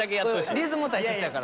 リズム大切やから。